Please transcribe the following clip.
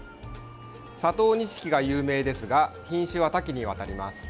佐藤錦が有名ですが品種は多岐にわたります。